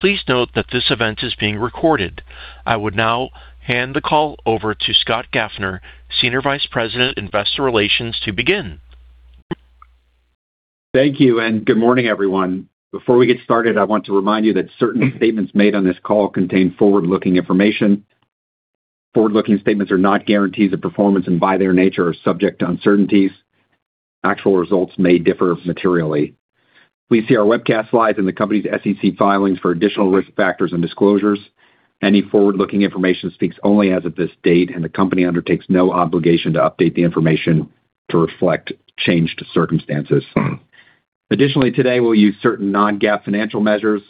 Please note that this event is being recorded. I would now hand the call over to Scott Gaffner, Senior Vice President, Investor Relations, to begin. Thank you, good morning, everyone. Before we get started, I want to remind you that certain statements made on this call contain forward-looking information. Forward-looking statements are not guarantees of performance and, by their nature, are subject to uncertainties. Actual results may differ materially. Please see our webcast slides and the company's SEC filings for additional risk factors and disclosures. Any forward-looking information speaks only as of this date, and the company undertakes no obligation to update the information to reflect change to circumstances. Additionally, today we'll use certain non-GAAP financial measures.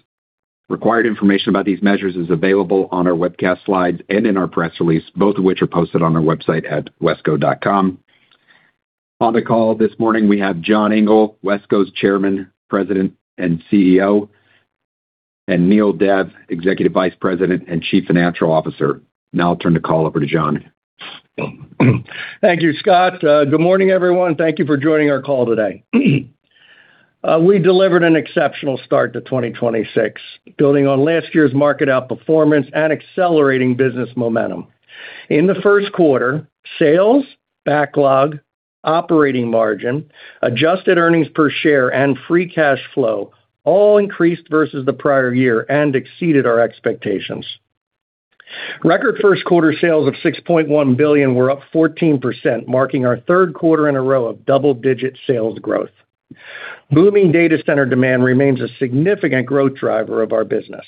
Required information about these measures is available on our webcast slides and in our press release, both of which are posted on our website at wesco.com. On the call this morning, we have John Engel, Wesco's Chairman, President, and CEO, and Indraneel Dev, Executive Vice President and Chief Financial Officer. Now I'll turn the call over to John. Thank you, Scott. Good morning, everyone. Thank you for joining our call today. We delivered an exceptional start to 2026, building on last year's market outperformance and accelerating business momentum. In the first quarter, sales, backlog, operating margin, adjusted earnings per share, and free cash flow all increased versus the prior year and exceeded our expectations. Record first quarter sales of $6.1 billion were up 14%, marking our third quarter in a row of double-digit sales growth. Booming data center demand remains a significant growth driver of our business.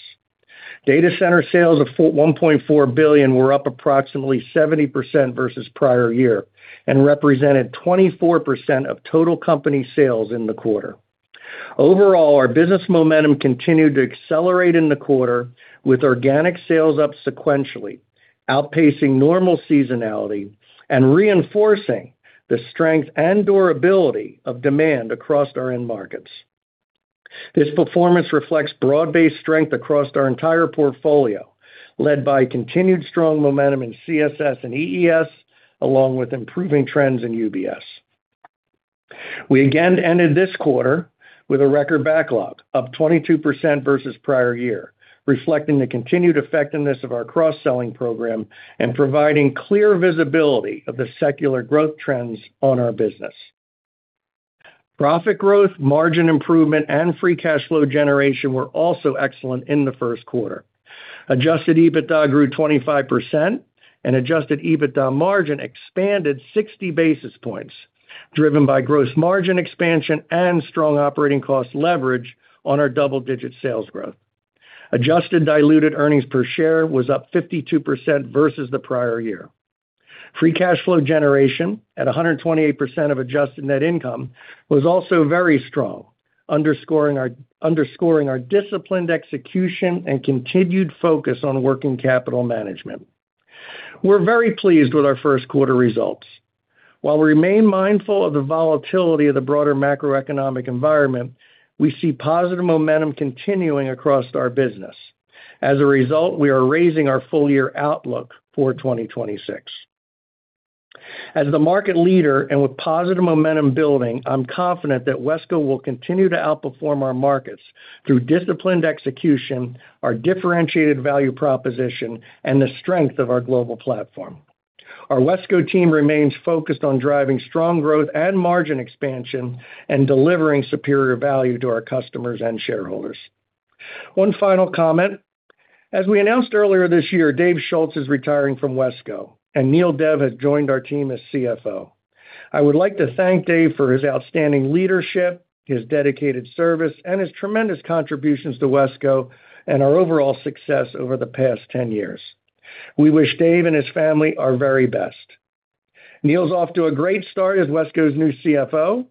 Data center sales of $1.4 billion were up approximately 70% versus prior year and represented 24% of total company sales in the quarter. Overall, our business momentum continued to accelerate in the quarter, with organic sales up sequentially, outpacing normal seasonality and reinforcing the strength and durability of demand across our end markets. This performance reflects broad-based strength across our entire portfolio, led by continued strong momentum in CSS and EES, along with improving trends in UBS. We again ended this quarter with a record backlog, up 22% versus prior year, reflecting the continued effectiveness of our cross-selling program and providing clear visibility of the secular growth trends on our business. Profit growth, margin improvement, and free cash flow generation were also excellent in the first quarter. Adjusted EBITDA grew 25%, and adjusted EBITDA margin expanded 60 basis points, driven by gross margin expansion and strong operating cost leverage on our double-digit sales growth. Adjusted diluted earnings per share was up 52% versus the prior year. Free cash flow generation at 128% of adjusted net income was also very strong, underscoring our disciplined execution and continued focus on working capital management. We're very pleased with our first quarter results. While we remain mindful of the volatility of the broader macroeconomic environment, we see positive momentum continuing across our business. As a result, we are raising our full-year outlook for 2026. As the market leader and with positive momentum building, I'm confident that Wesco will continue to outperform our markets through disciplined execution, our differentiated value proposition, and the strength of our global platform. Our Wesco team remains focused on driving strong growth and margin expansion and delivering superior value to our customers and shareholders. One final comment. As we announced earlier this year, David S. Schulz is retiring from Wesco, and Indraneel Dev has joined our team as CFO. I would like to thank Dave for his outstanding leadership, his dedicated service, and his tremendous contributions to Wesco and our overall success over the past 10 years. We wish Dave and his family our very best. Neil's off to a great start as Wesco's new CFO,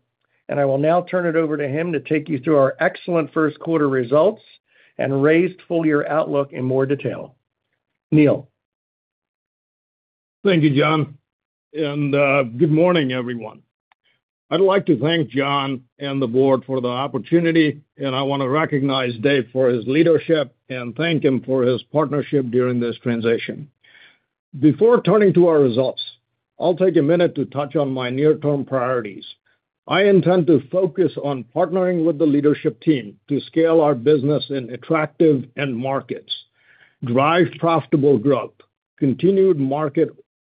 and I will now turn it over to him to take you through our excellent first quarter results and raised full-year outlook in more detail. Neil. Thank you, John, and good morning, everyone. I'd like to thank John and the board for the opportunity, and I want to recognize Dave for his leadership and thank him for his partnership during this transition. Before turning to our results, I'll take a minute to touch on my near-term priorities. I intend to focus on partnering with the leadership team to scale our business in attractive end markets, drive profitable growth, continued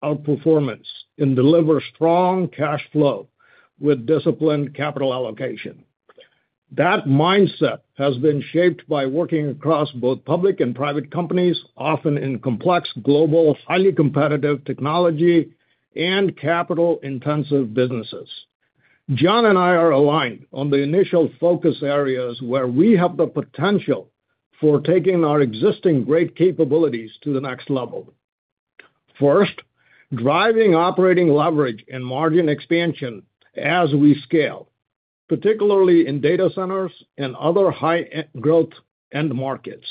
market outperformance, and deliver strong cash flow with disciplined capital allocation. That mindset has been shaped by working across both public and private companies, often in complex global, highly competitive technology and capital-intensive businesses. John and I are aligned on the initial focus areas where we have the potential for taking our existing great capabilities to the next level. First, driving operating leverage and margin expansion as we scale, particularly in data centers and other high-growth end markets.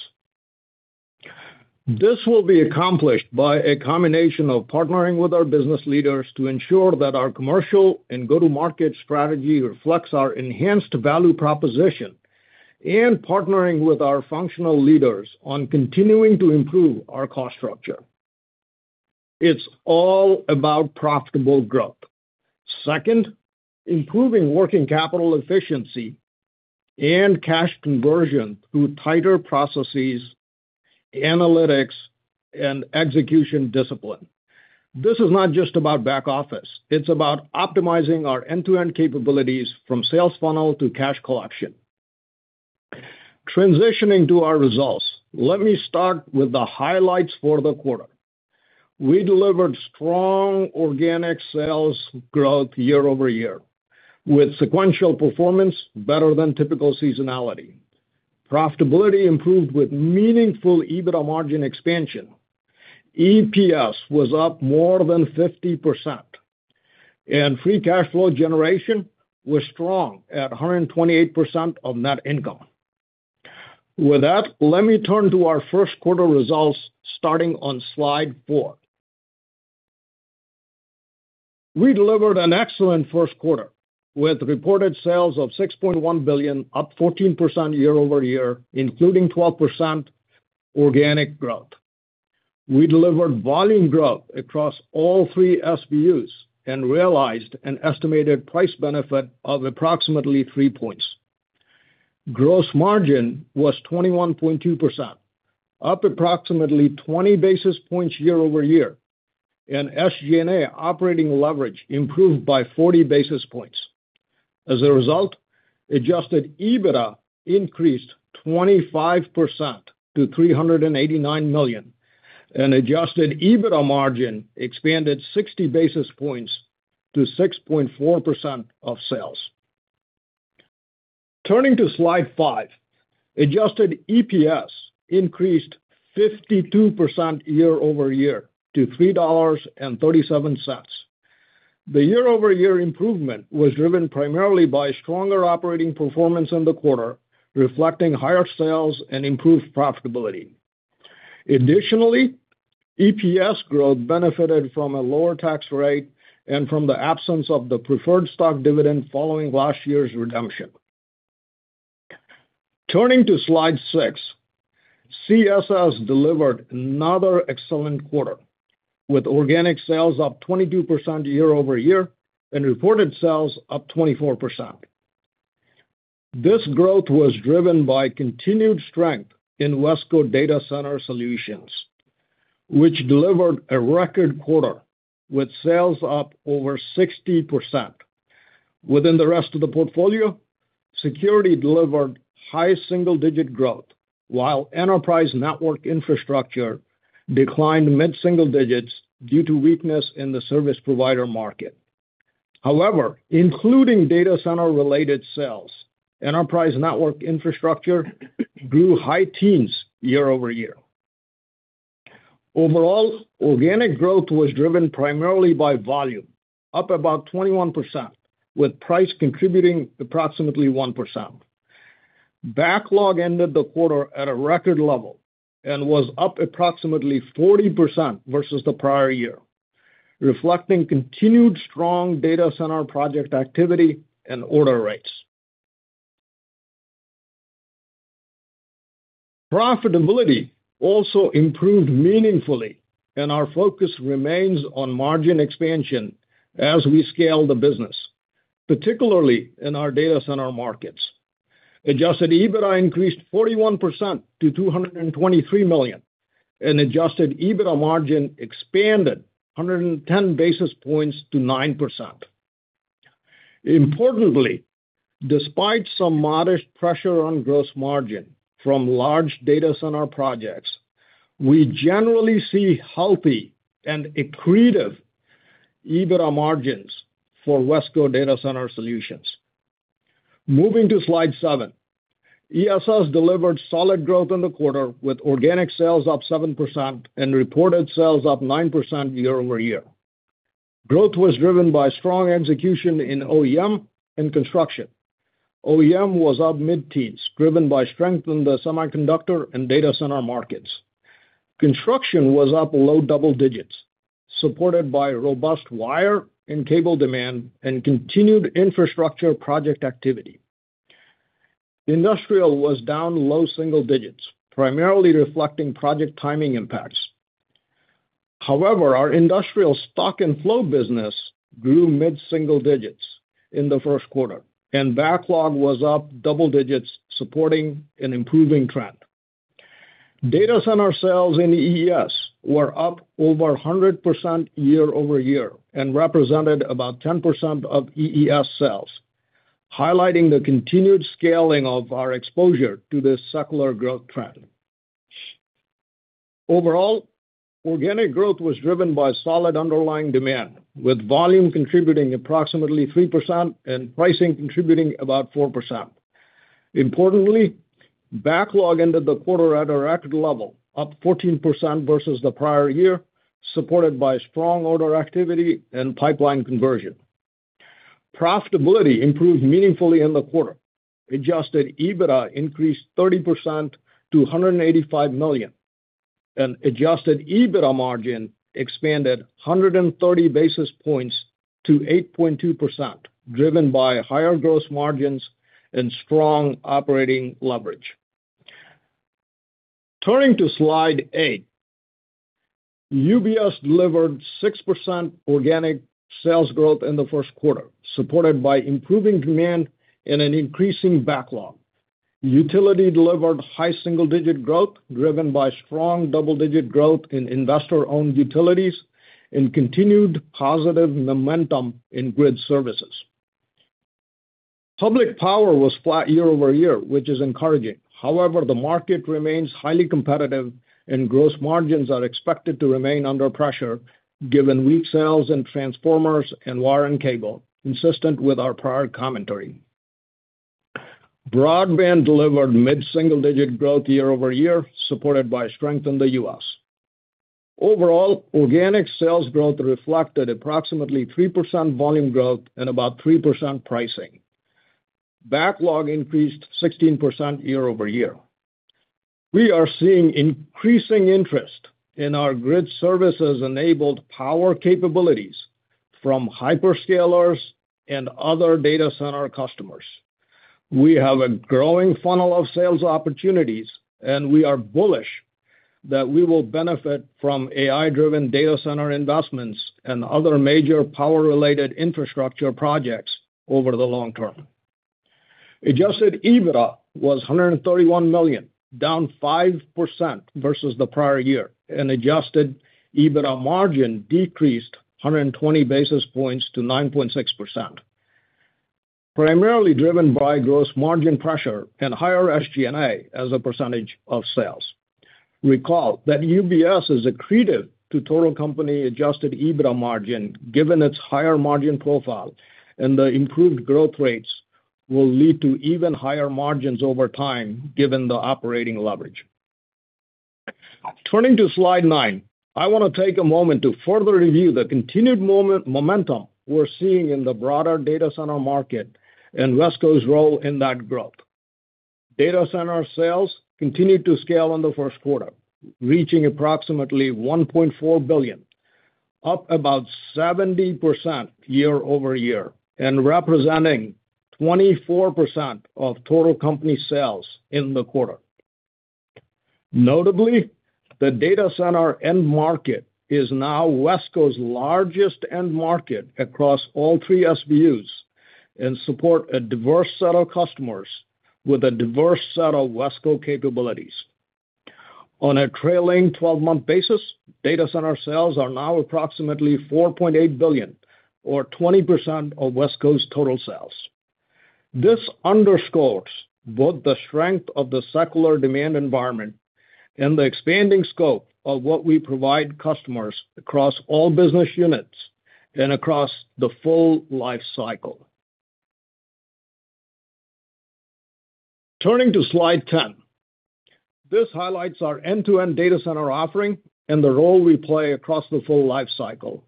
This will be accomplished by a combination of partnering with our business leaders to ensure that our commercial and go-to-market strategy reflects our enhanced value proposition and partnering with our functional leaders on continuing to improve our cost structure. It's all about profitable growth. Second, improving working capital efficiency and cash conversion through tighter processes, analytics, and execution discipline. This is not just about back office, it's about optimizing our end-to-end capabilities from sales funnel to cash collection. Transitioning to our results, let me start with the highlights for the quarter. We delivered strong organic sales growth year-over-year, with sequential performance better than typical seasonality. Profitability improved with meaningful EBITDA margin expansion. EPS was up more than 50%, and free cash flow generation was strong at 128% of net income. With that, let me turn to our first quarter results starting on Slide 4. We delivered an excellent first quarter, with reported sales of $6.1 billion, up 14% year-over-year, including 12% organic growth. We delivered volume growth across all three SBUs and realized an estimated price benefit of approximately 3 points. Gross margin was 21.2%, up approximately 20 basis points year-over-year, and SG&A operating leverage improved by 40 basis points. As a result, adjusted EBITDA increased 25% to $389 million, and adjusted EBITDA margin expanded 60 basis points to 6.4% of sales. Turning to Slide 5. Adjusted EPS increased 52% year-over-year to $3.37. The year-over-year improvement was driven primarily by stronger operating performance in the quarter, reflecting higher sales and improved profitability. Additionally, EPS growth benefited from a lower tax rate and from the absence of the preferred stock dividend following last year's redemption. Turning to Slide 6. CSS delivered another excellent quarter, with organic sales up 22% year-over-year and reported sales up 24%. This growth was driven by continued strength in Wesco Data Center Solutions, which delivered a record quarter with sales up over 60%. Within the rest of the portfolio, security delivered high single-digit growth while enterprise network infrastructure declined mid-single digits due to weakness in the service provider market. However, including data center-related sales, enterprise network infrastructure grew high teens year-over-year. Overall, organic growth was driven primarily by volume, up about 21%, with price contributing approximately 1%. Backlog ended the quarter at a record level and was up approximately 40% versus the prior year, reflecting continued strong data center project activity and order rates. Profitability also improved meaningfully, and our focus remains on margin expansion as we scale the business, particularly in our data center markets. Adjusted EBITDA increased 41% to $223 million, and adjusted EBITDA margin expanded 110 basis points to 9%. Importantly, despite some modest pressure on gross margin from large data center projects, we generally see healthy and accretive EBITDA margins for Wesco Data Center Solutions. Moving to Slide 7. EES delivered solid growth in the quarter, with organic sales up 7% and reported sales up 9% year-over-year. Growth was driven by strong execution in OEM and construction. OEM was up mid-teens, driven by strength in the semiconductor and data center markets. Construction was up low double digits, supported by robust wire and cable demand and continued infrastructure project activity. Industrial was down low single digits, primarily reflecting project timing impacts. However, our industrial stock and flow business grew mid-single digits in the first quarter, and backlog was up double digits, supporting an improving trend. Data center sales in EES were up over 100% year-over-year and represented about 10% of EES sales, highlighting the continued scaling of our exposure to this secular growth trend. Overall, organic growth was driven by solid underlying demand, with volume contributing approximately 3% and pricing contributing about 4%. Importantly, backlog ended the quarter at a record level, up 14% versus the prior year, supported by strong order activity and pipeline conversion. Profitability improved meaningfully in the quarter. Adjusted EBITDA increased 30% to $185 million, and adjusted EBITDA margin expanded 130 basis points to 8.2%, driven by higher gross margins and strong operating leverage. Turning to Slide 8, UBS delivered 6% organic sales growth in the first quarter, supported by improving demand and an increasing backlog. Utility delivered high single-digit growth, driven by strong double-digit growth in investor-owned utilities and continued positive momentum in grid services. Public power was flat year-over-year, which is encouraging. However, the market remains highly competitive and gross margins are expected to remain under pressure given weak sales and transformers and wire and cable, consistent with our prior commentary. Broadband delivered mid-single digit growth year-over-year, supported by strength in the U.S. Overall, organic sales growth reflected approximately 3% volume growth and about 3% pricing. Backlog increased 16% year-over-year. We are seeing increasing interest in our grid services-enabled power capabilities from hyperscalers and other data center customers. We have a growing funnel of sales opportunities. We are bullish that we will benefit from AI-driven data center investments and other major power-related infrastructure projects over the long term. Adjusted EBITDA was $131 million, down 5% versus the prior year. Adjusted EBITDA margin decreased 120 basis points to 9.6%, primarily driven by gross margin pressure and higher SG&A as a percentage of sales. Recall that UBS is accretive to total company-adjusted EBITDA margin given its higher margin profile, and the improved growth rates will lead to even higher margins over time given the operating leverage. Turning to Slide 9, I wanna take a moment to further review the continued momentum we're seeing in the broader data center market and Wesco's role in that growth. Data center sales continued to scale in the first quarter, reaching approximately $1.4 billion, up about 70% year-over-year, and representing 24% of total company sales in the quarter. Notably, the data center end market is now Wesco's largest end market across all three SBUs and support a diverse set of customers with a diverse set of Wesco capabilities. On a trailing 12-month basis, data center sales are now approximately $4.8 billion or 20% of Wesco's total sales. This underscores both the strength of the secular demand environment and the expanding scope of what we provide customers across all business units and across the full life cycle. Turning to Slide 10, this highlights our end-to-end data center offering and the role we play across the full life cycle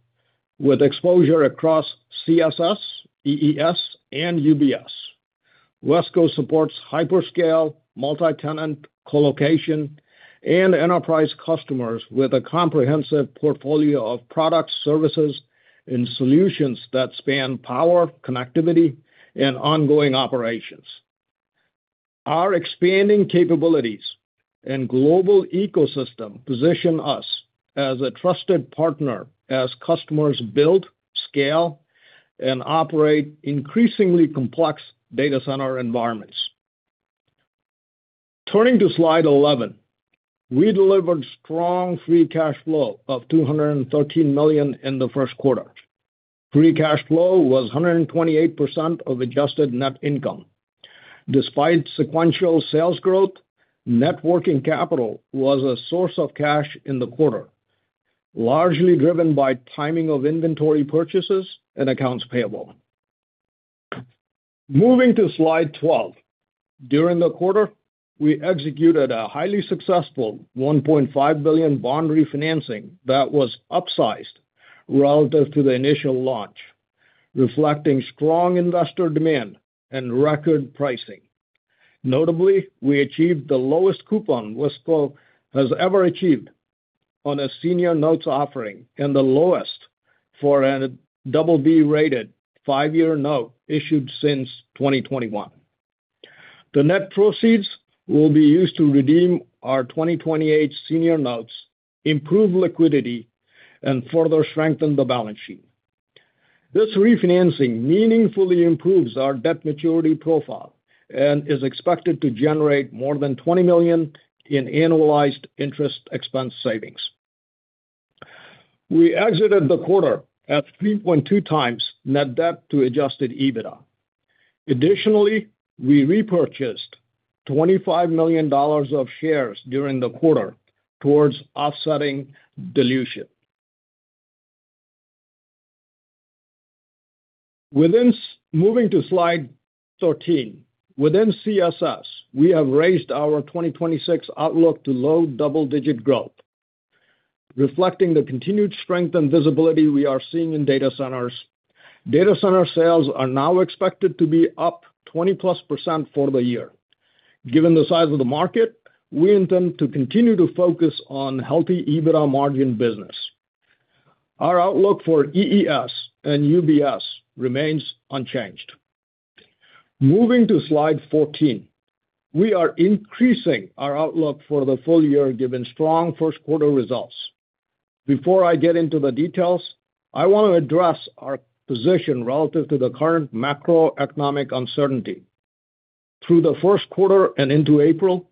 with exposure across CSS, EES, and UBS. Wesco supports hyperscale, multi-tenant, colocation, and enterprise customers with a comprehensive portfolio of products, services, and solutions that span power, connectivity, and ongoing operations. Our expanding capabilities and global ecosystem position us as a trusted partner as customers build, scale, and operate increasingly complex data center environments. Turning to Slide 11, we delivered strong free cash flow of $213 million in the first quarter. Free cash flow was 128% of adjusted net income. Despite sequential sales growth, net working capital was a source of cash in the quarter, largely driven by timing of inventory purchases and accounts payable. Moving to Slide 12. During the quarter, we executed a highly successful $1.5 billion bond refinancing that was upsized relative to the initial launch, reflecting strong investor demand and record pricing. Notably, we achieved the lowest coupon Wesco has ever achieved on a senior notes offering and the lowest for a BB-rated five-year note issued since 2021. The net proceeds will be used to redeem our 2028 senior notes, improve liquidity, and further strengthen the balance sheet. This refinancing meaningfully improves our debt maturity profile and is expected to generate more than $20 million in annualized interest expense savings. We exited the quarter at 3.2x net debt to adjusted EBITDA. Additionally, we repurchased $25 million of shares during the quarter towards offsetting dilution. Moving to Slide 13. Within CSS, we have raised our 2026 outlook to low double-digit growth, reflecting the continued strength and visibility we are seeing in data centers. Data center sales are now expected to be up 20%+ for the year. Given the size of the market, we intend to continue to focus on healthy EBITDA margin business. Our outlook for EES and UBS remains unchanged. Moving to Slide 14, we are increasing our outlook for the full year given strong first quarter results. Before I get into the details, I want to address our position relative to the current macroeconomic uncertainty. Through the first quarter and into April,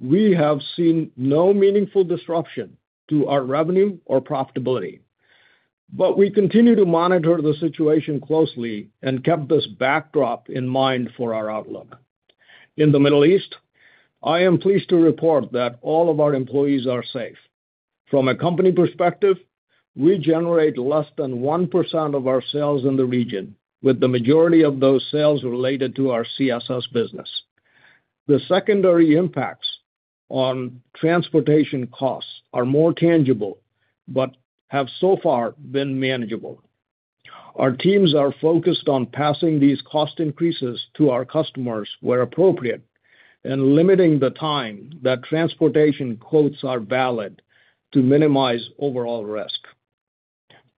we have seen no meaningful disruption to our revenue or profitability. We continue to monitor the situation closely and kept this backdrop in mind for our outlook. In the Middle East, I am pleased to report that all of our employees are safe. From a company perspective, we generate less than 1% of our sales in the region, with the majority of those sales related to our CSS business. The secondary impacts on transportation costs are more tangible but have so far been manageable. Our teams are focused on passing these cost increases to our customers where appropriate and limiting the time that transportation quotes are valid to minimize overall risk.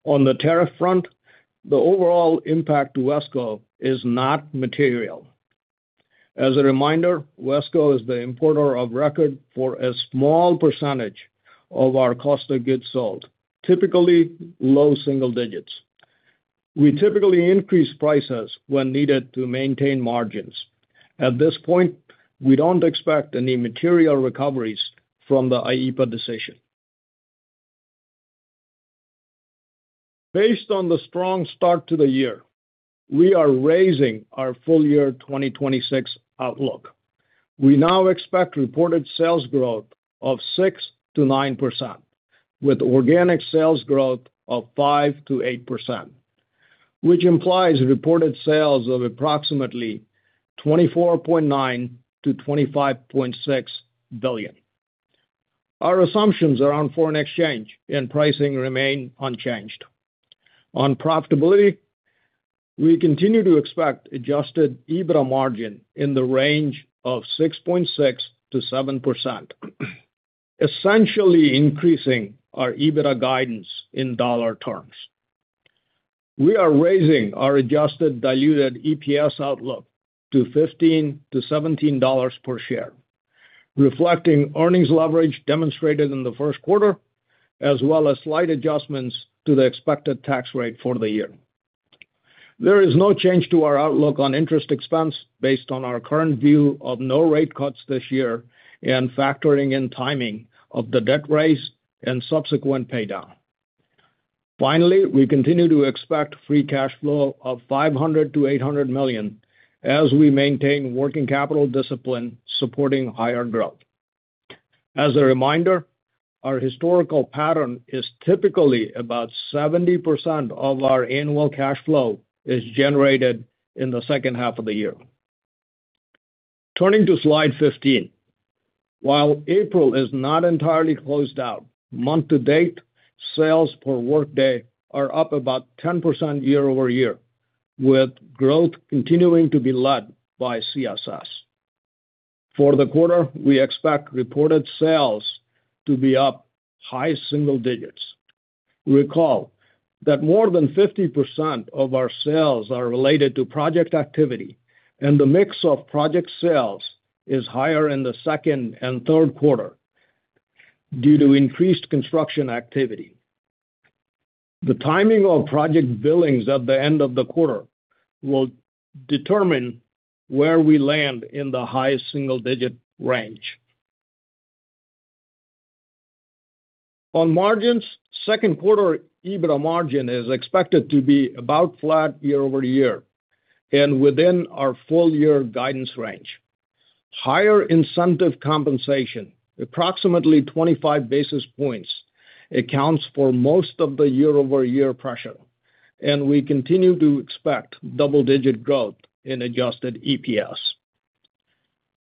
On the tariff front, the overall impact to Wesco is not material. As a reminder, Wesco is the importer of record for a small percentage of our cost of goods sold, typically low single digits. We typically increase prices when needed to maintain margins. At this point, we don't expect any material recoveries from the IEEPA decision. Based on the strong start to the year, we are raising our full year 2026 outlook. We now expect reported sales growth of 6%-9% with organic sales growth of 5%-8%, which implies reported sales of approximately $24.9 billion-$25.6 billion. Our assumptions around foreign exchange and pricing remain unchanged. On profitability, we continue to expect adjusted EBITDA margin in the range of 6.6%-7%, essentially increasing our EBITDA guidance in dollar terms. We are raising our adjusted diluted EPS outlook to $15-$17 per share, reflecting earnings leverage demonstrated in the first quarter as well as slight adjustments to the expected tax rate for the year. There is no change to our outlook on interest expense based on our current view of no rate cuts this year and factoring in timing of the debt raise and subsequent paydown. Finally, we continue to expect free cash flow of $500 million-$800 million as we maintain working capital discipline supporting higher growth. As a reminder, our historical pattern is typically about 70% of our annual cash flow is generated in the second half of the year. Turning to Slide 15. While April is not entirely closed out, month-to-date, sales per workday are up about 10% year-over-year, with growth continuing to be led by CSS. For the quarter, we expect reported sales to be up high single digits. Recall that more than 50% of our sales are related to project activity, and the mix of project sales is higher in the second and third quarter due to increased construction activity. The timing of project billings at the end of the quarter will determine where we land in the high single-digit range. On margins, second quarter EBITDA margin is expected to be about flat year-over-year and within our full year guidance range. Higher incentive compensation, approximately 25 basis points, accounts for most of the year-over-year pressure, and we continue to expect double-digit growth in adjusted EPS.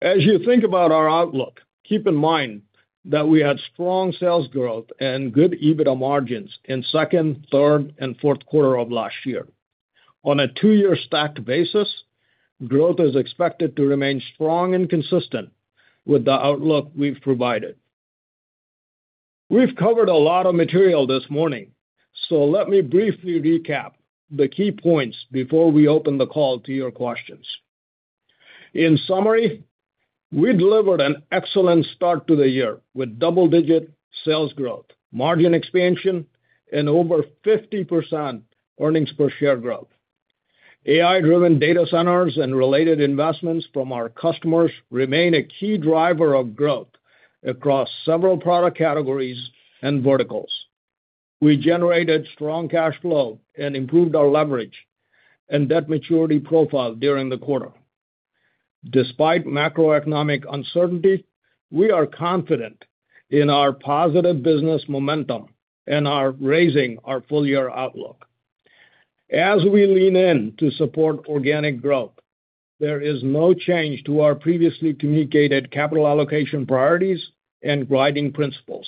As you think about our outlook, keep in mind that we had strong sales growth and good EBITDA margins in second, third, and fourth quarter of last year. On a two-year stacked basis, growth is expected to remain strong and consistent with the outlook we've provided. We've covered a lot of material this morning, so let me briefly recap the key points before we open the call to your questions. In summary, we delivered an excellent start to the year with double-digit sales growth, margin expansion, and over 50% EPS growth. AI-driven data centers and related investments from our customers remain a key driver of growth across several product categories and verticals. We generated strong cash flow and improved our leverage and debt maturity profile during the quarter. Despite macroeconomic uncertainty, we are confident in our positive business momentum and are raising our full year outlook. As we lean in to support organic growth, there is no change to our previously communicated capital allocation priorities and guiding principles.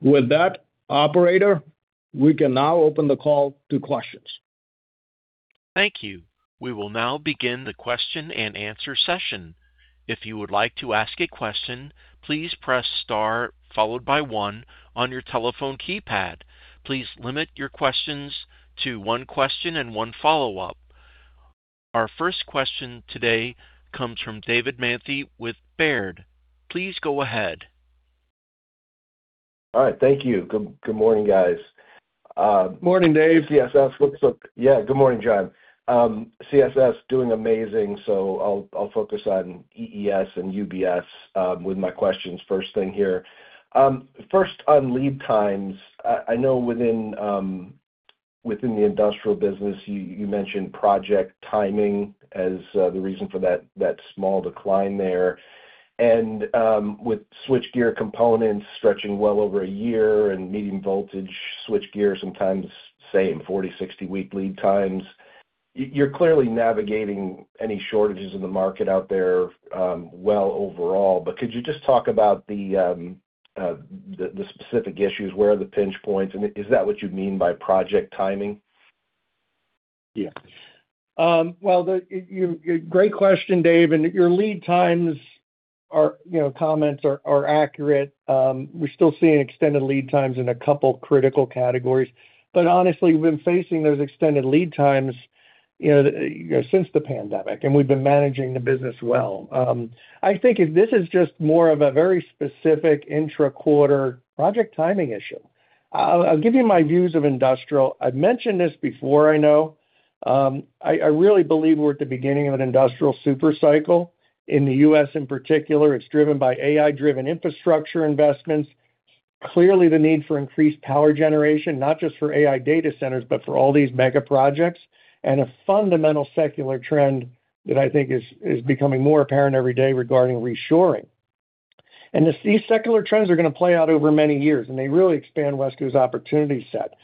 With that, operator, we can now open the call to questions. Thank you. We will now begin the question and answer session. If you would like to ask a question, please press star followed by one on your telephone keypad. Please limit your questions to one question and one follow-up. Our first question today comes from David Manthey with Baird. Please go ahead. All right. Thank you. Good morning, guys. Morning, Dave. Yeah, good morning, John. CSS doing amazing, I'll focus on EES and UBS with my questions first thing here. First on lead times. I know within the industrial business, you mentioned project timing as the reason for that small decline there. With switchgear components stretching well over one year and medium voltage switchgear sometimes staying 40, 60 week lead times, you're clearly navigating any shortages in the market out there well overall. Could you just talk about the specific issues? Where are the pinch points? Is that what you mean by project timing? Great question, David, and your lead times comments are accurate. We're still seeing extended lead times in two critical categories. Honestly, we've been facing those extended lead times since the pandemic, and we've been managing the business well. I think this is just more of a very specific intra-quarter project timing issue. I'll give you my views of industrial. I've mentioned this before, I know. I really believe we're at the beginning of an industrial super cycle. In the U.S., in particular, it's driven by AI-driven infrastructure investments. Clearly, the need for increased power generation, not just for AI data centers, but for all these mega projects, and a fundamental secular trend that I think is becoming more apparent every day regarding reshoring. These secular trends are gonna play out over many years, and they really expand Wesco's opportunity set.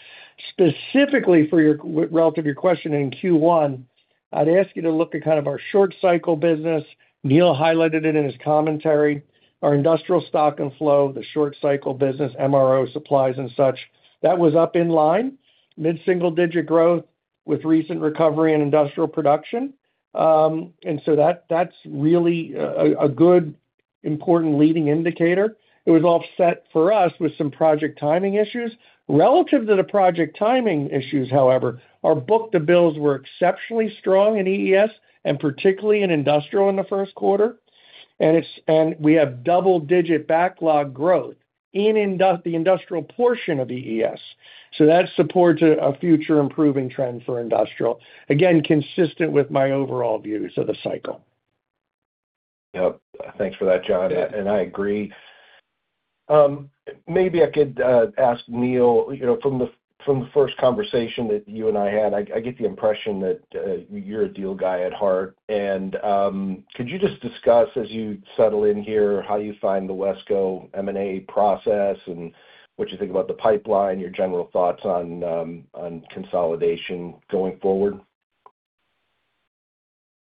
Specifically relative to your question in Q1, I'd ask you to look at kind of our short cycle business. Neil highlighted it in his commentary. Our industrial stock and flow, the short cycle business, MRO supplies and such, that was up in line. Mid-single-digit growth with recent recovery in industrial production. That's really a good important leading indicator. It was offset for us with some project timing issues. Relative to the project timing issues, however, our book-to-bills were exceptionally strong in EES and particularly in industrial in the first quarter. We have double-digit backlog growth in the industrial portion of EES. That supports a future improving trend for industrial. Again, consistent with my overall views of the cycle. Yep. Thanks for that, John. Yeah. I agree. Maybe I could ask Neil, you know, from the first conversation that you and I had, I get the impression that you're a deal guy at heart. Could you just discuss, as you settle in here, how you find the Wesco M&A process and what you think about the pipeline, your general thoughts on consolidation going forward?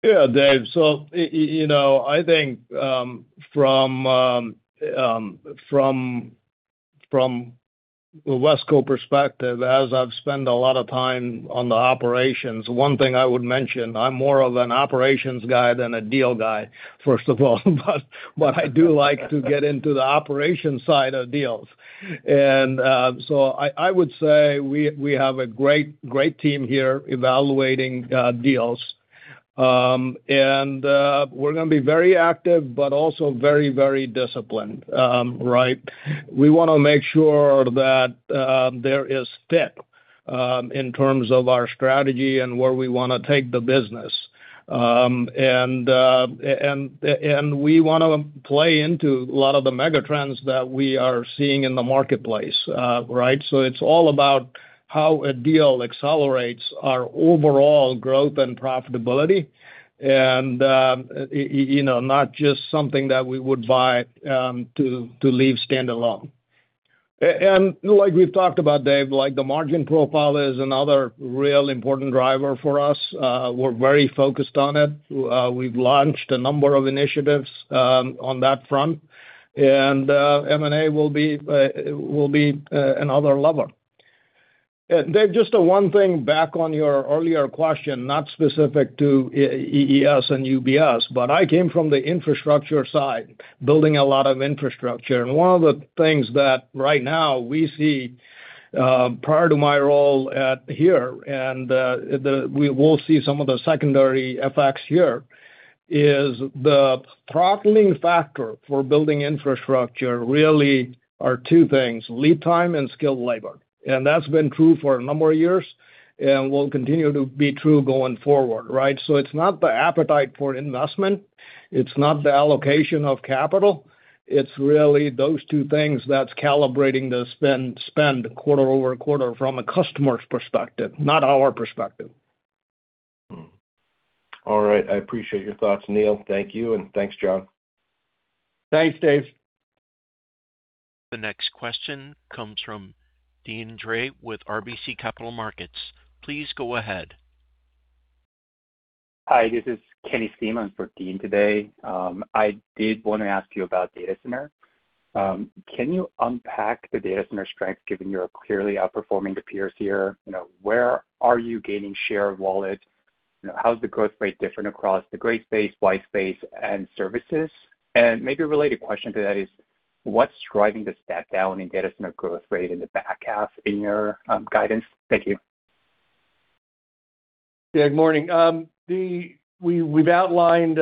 Dave. You know, I think, from Wesco perspective, as I've spent a lot of time on the operations, one thing I would mention, I'm more of an operations guy than a deal guy, first of all. But I do like to get into the operations side of deals. I would say we have a great team here evaluating deals. We're gonna be very active, but also very disciplined, right? We wanna make sure that there is fit in terms of our strategy and where we wanna take the business. We wanna play into a lot of the megatrends that we are seeing in the marketplace, right? It's all about how a deal accelerates our overall growth and profitability and, you know, not just something that we would buy to leave standalone. Like we've talked about, Dave, like the margin profile is another real important driver for us. We're very focused on it. We've launched a number of initiatives on that front. M&A will be another lever. Dave, just one thing back on your earlier question, not specific to EES and UBS, but I came from the infrastructure side, building a lot of infrastructure. One of the things that right now we see, prior to my role at here, and we will see some of the secondary effects here, is the throttling factor for building infrastructure really are two things: lead time and skilled labor. That's been true for a number of years and will continue to be true going forward, right? It's not the appetite for investment, it's not the allocation of capital, it's really those two things that's calibrating the spend quarter-over-quarter from a customer's perspective, not our perspective. Mm-hmm. All right. I appreciate your thoughts, Neil. Thank you. And thanks, John. Thanks, Dave. The next question comes from Deane Dray with RBC Capital Markets. Please go ahead. Hi, this is Kenny Seaman for Deane Dray. I did wanna ask you about data center. Can you unpack the data center strength given you're clearly outperforming the peers here? You know, where are you gaining share of wallet? You know, how's the growth rate different across the gray space, white space, and services? Maybe a related question to that is, what's driving the step down in data center growth rate in the back half in your guidance? Thank you. Yeah, good morning. We've outlined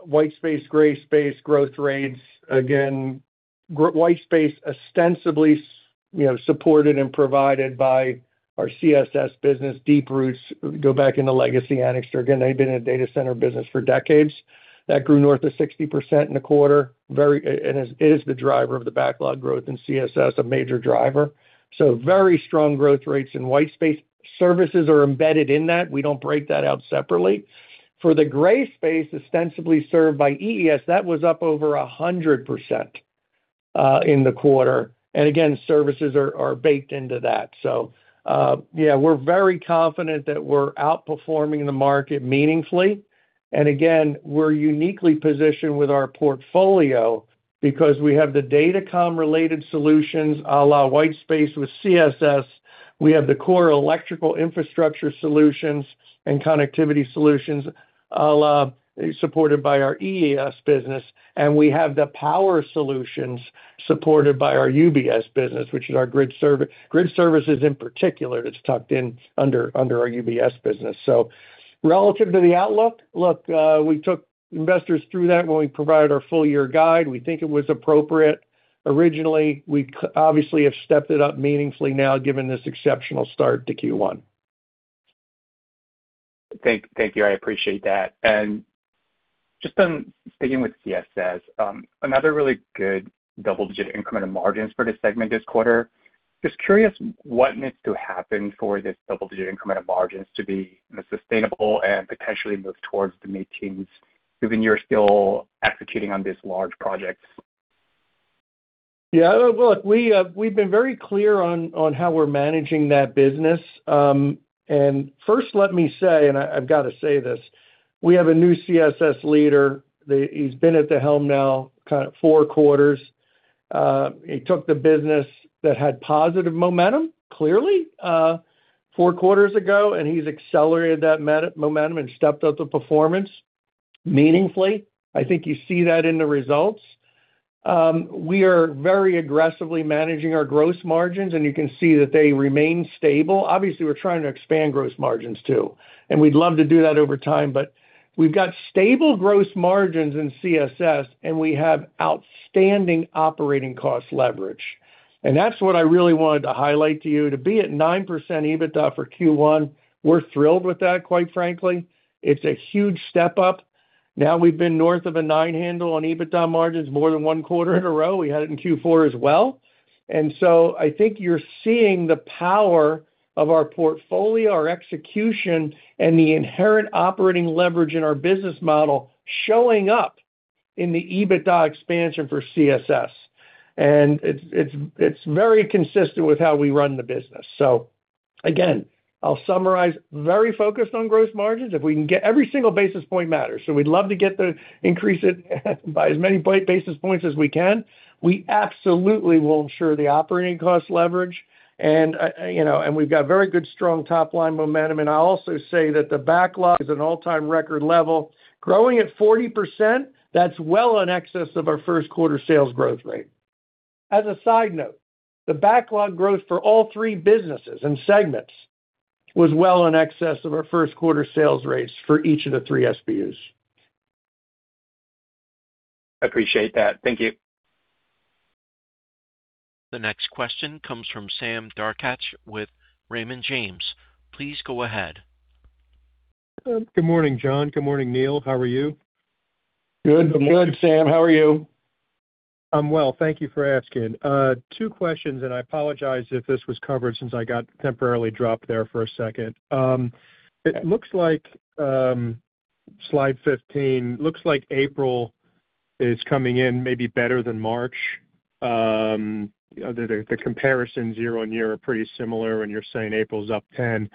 white space, gray space growth rates. Again, white space ostensibly you know, supported and provided by our CSS business deep roots go back into legacy Anixter. Again, they've been a data center business for decades. That grew north of 60% in the quarter, very, and is the driver of the backlog growth in CSS, a major driver. Very strong growth rates in white space. Services are embedded in that. We don't break that out separately. For the gray space ostensibly served by EES, that was up over 100% in the quarter. Again, services are baked into that. Yeah, we're very confident that we're outperforming the market meaningfully. Again, we're uniquely positioned with our portfolio because we have the datacom related solutions a la white space with CSS. We have the core electrical infrastructure solutions and connectivity solutions, a la, supported by our EES business, and we have the power solutions supported by our UBS business, which is our grid services in particular that's tucked in under our UBS business. Relative to the outlook, look, we took investors through that when we provided our full year guide. We think it was appropriate originally. We obviously have stepped it up meaningfully now given this exceptional start to Q1. Thank you. I appreciate that. Just on sticking with CSS, another really good double-digit increment of margins for this segment this quarter. Just curious what needs to happen for this double-digit increment of margins to be, you know, sustainable and potentially move towards the mid-teens given you're still executing on these large projects? Look, we've been very clear on how we're managing that business. First let me say, and I've gotta say this, we have a new CSS leader. He's been at the helm now kind of four quarters. He took the business that had positive momentum, clearly, four quarters ago, and he's accelerated that momentum and stepped up the performance meaningfully. I think you see that in the results. We are very aggressively managing our gross margins, and you can see that they remain stable. Obviously, we're trying to expand gross margins too, and we'd love to do that over time. We've got stable gross margins in CSS, and we have outstanding operating cost leverage. That's what I really wanted to highlight to you. To be at 9% EBITDA for Q1, we're thrilled with that, quite frankly. It's a huge step up. We've been north of a 9 handle on EBITDA margins more than one quarter in a row. We had it in Q4 as well. I think you're seeing the power of our portfolio, our execution, and the inherent operating leverage in our business model showing up in the EBITDA expansion for CSS. It's very consistent with how we run the business. Again, I'll summarize, very focused on gross margins. If we can get every single basis point matters, so we'd love to increase it by as many basis points as we can. We absolutely will ensure the operating cost leverage. You know, we've got very good, strong top-line momentum. I'll also say that the backlog is an all-time record level, growing at 40%. That's well in excess of our first quarter sales growth rate. As a side note, the backlog growth for all three businesses and segments was well in excess of our first quarter sales rates for each of the three SBUs. Appreciate that. Thank you. The next question comes from Sam Darkatsh with Raymond James. Please go ahead. Good morning, John. Good morning, Neil. How are you? Good. Good, Sam. How are you? I'm well. Thank you for asking. Two questions, and I apologize if this was covered since I got temporarily dropped there for a second. It looks like, Slide 15, looks like April is coming in maybe better than March. The comparisons year-over-year are pretty similar, and you're saying April's up 10%.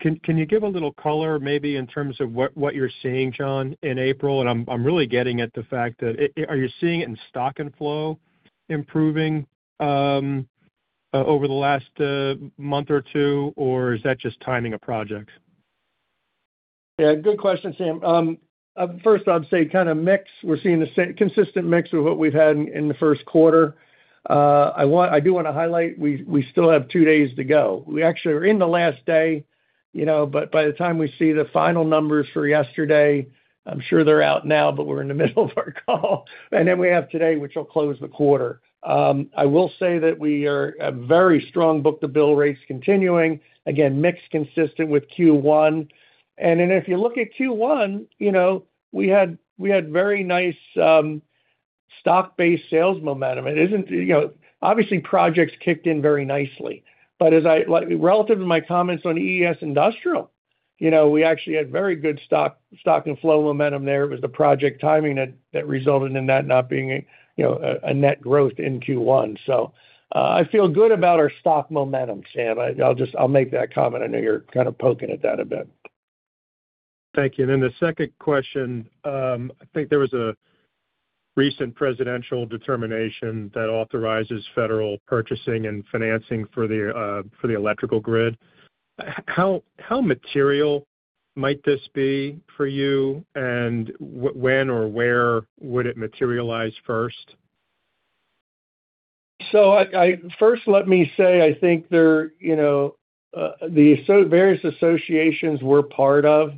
Can you give a little color maybe in terms of what you're seeing, John, in April? I'm really getting at the fact that are you seeing it in stock and flow improving over the last month or two, or is that just timing of projects? Yeah, good question, Sam. First I'd say kinda mix. We're seeing the consistent mix of what we've had in the first quarter. I do wanna highlight, we still have two days to go. We actually are in the last day, you know, but by the time we see the final numbers for yesterday, I'm sure they're out now, but we're in the middle of our call. We have today, which will close the quarter. I will say that we are a very strong book-to-bill rates continuing. Again, mix consistent with Q1. If you look at Q1, you know, we had very nice stock-based sales momentum. It isn't, you know. Obviously, projects kicked in very nicely. As I, like, relative to my comments on EES Industrial, you know, we actually had very good stock and flow momentum there. It was the project timing that resulted in that not being a, you know, a net growth in Q1. I feel good about our stock momentum, Sam. I'll just make that comment. I know you're kind of poking at that a bit. Thank you. The second question, I think there was a recent presidential determination that authorizes federal purchasing and financing for the electrical grid. How material might this be for you, and when or where would it materialize first? First, let me say, I think there, you know, various associations we're part of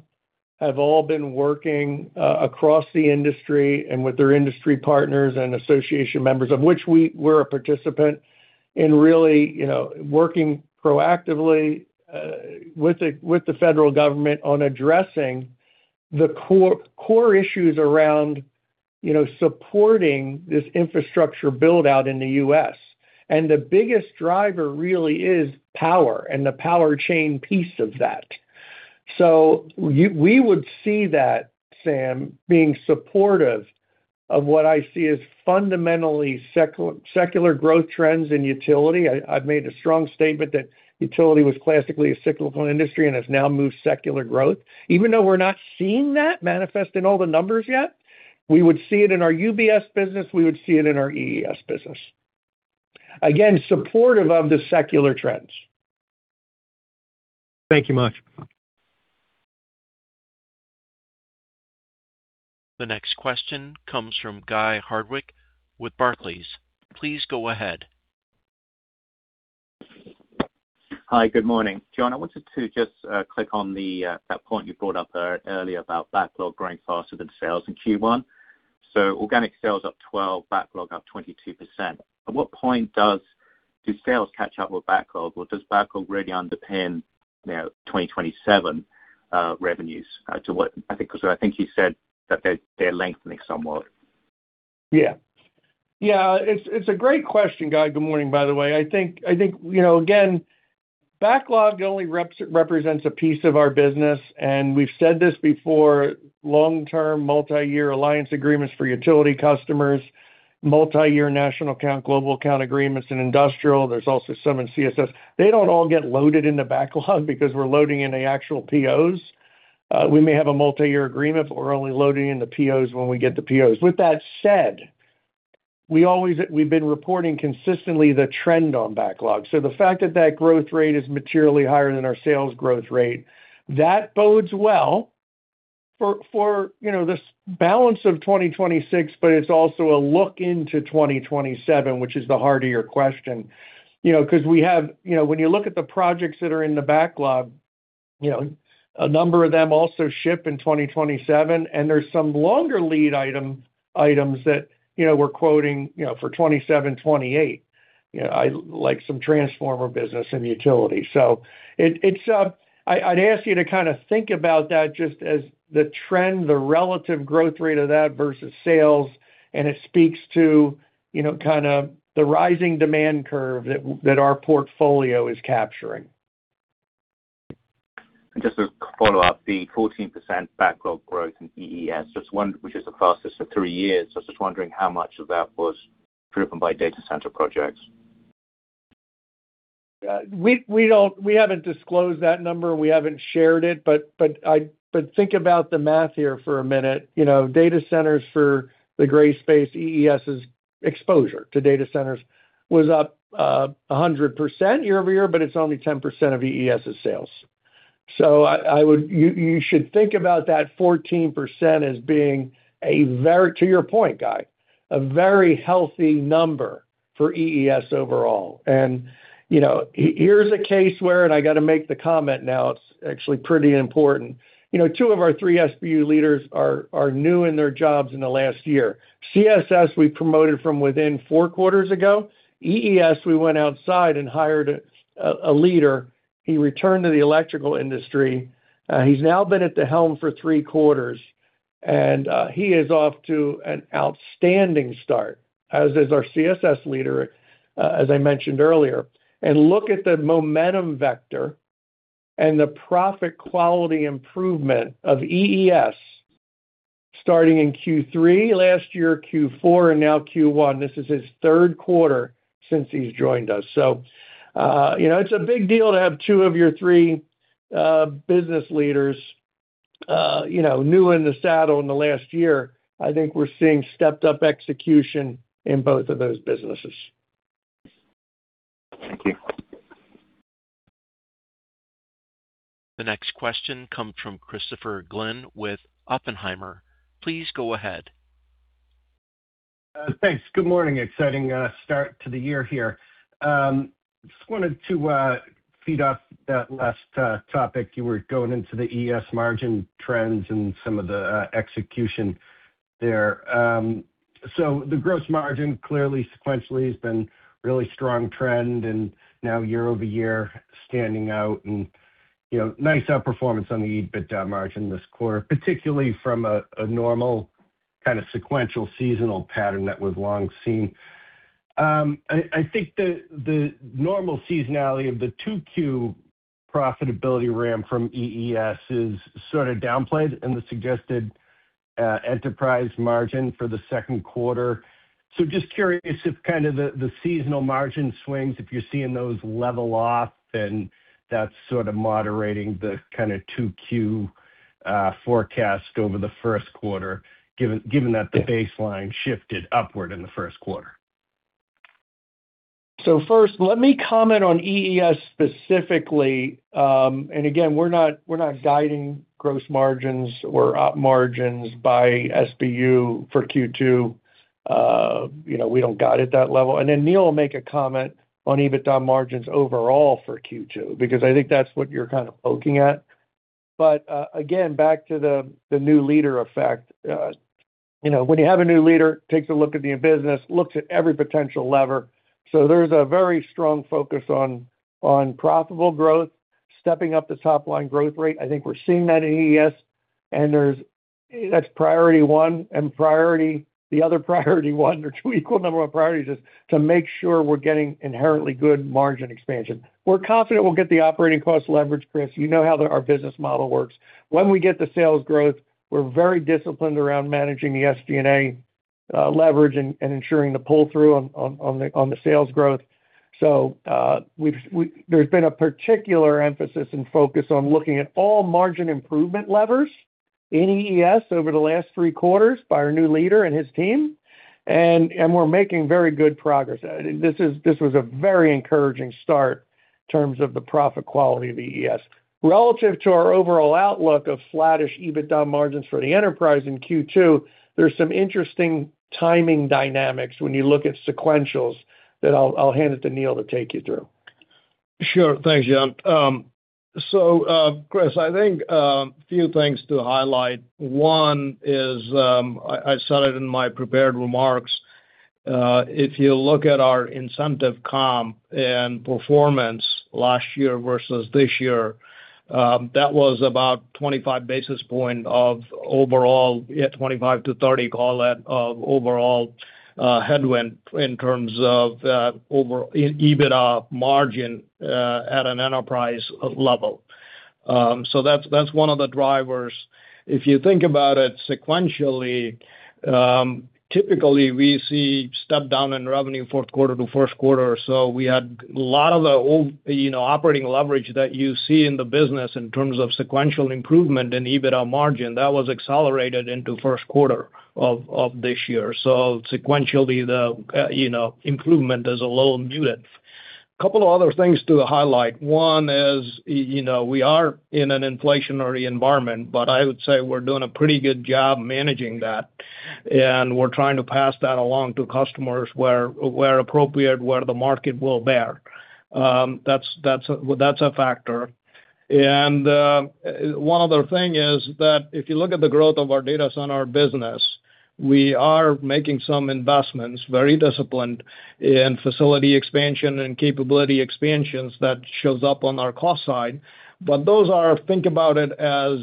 have all been working across the industry and with their industry partners and association members, of which we're a participant in really, you know, working proactively with the federal government on addressing the core issues around, you know, supporting this infrastructure build-out in the U.S. The biggest driver really is power and the power chain piece of that. We would see that, Sam Darkatsh, being supportive of what I see as fundamentally secular growth trends in utility. I've made a strong statement that utility was classically a cyclical industry and has now moved secular growth. Even though we're not seeing that manifest in all the numbers yet, we would see it in our UBS business, we would see it in our EES business. Supportive of the secular trends. Thank you much. The next question comes from Guy Hardwick with Barclays. Please go ahead. Hi, good morning. John, I wanted to just click on the that point you brought up earlier about backlog growing faster than sales in Q1. Organic sales up 12%, backlog up 22%. At what point does the sales catch up with backlog or does backlog really underpin, you know, 2027 revenues? I think, 'cause I think you said that they're lengthening somewhat. Yeah. Yeah, it's a great question, Guy. Good morning, by the way. I think, you know, again, backlog only represents a piece of our business. We've said this before, long-term multi-year alliance agreements for utility customers, multi-year national account, global account agreements in industrial. There's also some in CSS. They don't all get loaded in the backlog because we're loading in the actual POs. We may have a multi-year agreement. We're only loading in the POs when we get the POs. With that said, we've been reporting consistently the trend on backlog. The fact that that growth rate is materially higher than our sales growth rate, that bodes well for, you know, this balance of 2026. It's also a look into 2027, which is the heart of your question. You know, when you look at the projects that are in the backlog, you know, a number of them also ship in 2027, and there's some longer lead items that, you know, we're quoting, you know, for 2027, 2028. You know, like some transformer business and utility. It's, I'd ask you to kind of think about that just as the trend, the relative growth rate of that versus sales, and it speaks to, you know, kind of the rising demand curve that our portfolio is capturing. Just to follow up, the 14% backlog growth in EES, which is the fastest in three years. I was just wondering how much of that was driven by data center projects. We haven't disclosed that number. We haven't shared it, but think about the math here for a minute. You know, data centers for the gray space, EES' exposure to data centers was up 100% year-over-year, but it's only 10% of EES' sales. I would. You should think about that 14% as being a very, to your point, Guy, a very healthy number for EES overall. You know, here's a case where, and I got to make the comment now, it's actually pretty important. You know, two of our three SBU leaders are new in their jobs in the last year. CSS, we promoted from within four quarters ago. EES, we went outside and hired a leader. He returned to the electrical industry. He's now been at the helm for three quarters, he is off to an outstanding start, as is our CSS leader, as I mentioned earlier. Look at the momentum vector and the profit quality improvement of EES starting in Q3 last year, Q4, and now Q1. This is his third quarter since he's joined us. You know, it's a big deal to have two of your three business leaders, you know, new in the saddle in the last year. I think we're seeing stepped up execution in both of those businesses. Thank you. The next question comes from Christopher Glynn with Oppenheimer. Please go ahead. Thanks. Good morning. Exciting start to the year here. Just wanted to feed off that last topic. You were going into the EES margin trends and some of the execution there. The gross margin clearly sequentially has been really strong trend and now year-over-year standing out and, you know, nice outperformance on the EBITDA margin this quarter, particularly from a normal kind of sequential seasonal pattern that was long seen. I think the normal seasonality of the 2Q profitability ramp from EES is sort of downplayed and the suggested enterprise margin for the second quarter. Just curious if kind of the seasonal margin swings, if you are seeing those level off, and that is sort of moderating the kind of 2Q forecast over the first quarter given that the baseline shifted upward in the first quarter. First, let me comment on EES specifically. Again, we're not, we're not guiding gross margins or op margins by SBU for Q2. You know, we don't guide at that level. Neil will make a comment on EBITDA margins overall for Q2, because I think that's what you're kind of poking at. Again, back to the new leader effect. You know, when you have a new leader, takes a look at the business, looks at every potential lever. There's a very strong focus on profitable growth, stepping up the top-line growth rate. I think we're seeing that at EES, that's priority one. The other priority one or two equal number one priorities is to make sure we're getting inherently good margin expansion. We're confident we'll get the operating cost leverage, Chris. You know how our business model works. When we get the sales growth, we're very disciplined around managing the SG&A leverage and ensuring the pull-through on the sales growth. There's been a particular emphasis and focus on looking at all margin improvement levers in EES over the last three quarters by our new leader and his team. We're making very good progress. This was a very encouraging start in terms of the profit quality of EES. Relative to our overall outlook of flattish EBITDA margins for the enterprise in Q2, there's some interesting timing dynamics when you look at sequentials that I'll hand it to Neil to take you through. Sure. Thanks, John. Chris, I think, few things to highlight. One is, I said it in my prepared remarks, if you look at our incentive comp and performance last year versus this year, that was about 25 basis points of overall, 25-30, call it, of overall headwind in terms of in EBITDA margin at an enterprise level. That's one of the drivers. If you think about it sequentially, typically we see step down in revenue fourth quarter to first quarter. We had a lot of the old, you know, operating leverage that you see in the business in terms of sequential improvement in EBITDA margin that was accelerated into first quarter of this year. Sequentially, the, you know, improvement is a little muted. Couple of other things to highlight. One is, you know, we are in an inflationary environment, but I would say we're doing a pretty good job managing that, and we're trying to pass that along to customers where appropriate, where the market will bear. That's a factor. One other thing is that if you look at the growth of our data center business, we are making some investments, very disciplined in facility expansion and capability expansions that shows up on our cost side. Those are, think about it as,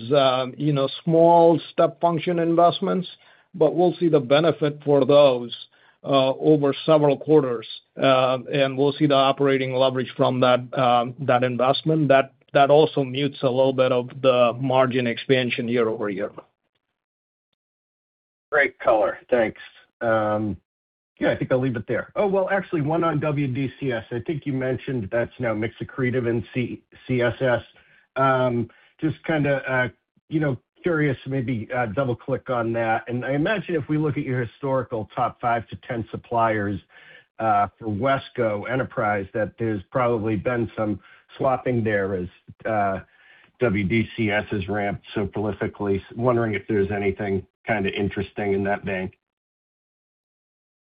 you know, small step function investments, but we'll see the benefit for those over several quarters. And we'll see the operating leverage from that investment. That also mutes a little bit of the margin expansion year-over-year. Great color. Thanks. Yeah, I think I'll leave it there. Well, actually one on WDCS. I think you mentioned that's now mixed accretive in CSS. Just kind of, you know, curious, maybe, double-click on that. I imagine if we look at your historical top five to 10 suppliers, for Wesco, that there's probably been some swapping there as WDCS has ramped so prolifically. Wondering if there's anything kind of interesting in that bank.